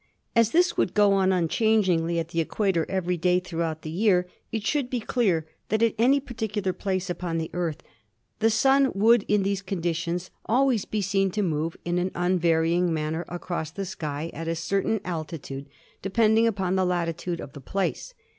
As this would go on unchangingly at the equator every day throughout the year, it should be clear that, at any particular place upon the Earth, the Sun would in these conditions always be seen to move in an unvarying manner across the sky at a certain altitude, depending upon the latitude of the place.